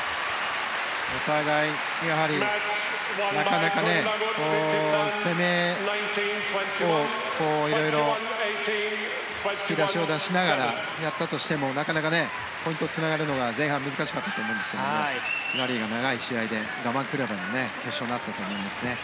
お互いやはりなかなか攻めを色々引き出しを出しながらやったとしてもなかなかポイントにつながるのが前半難しかったと思うんですがラリーが長い試合で我慢比べの決勝になったと思いますね。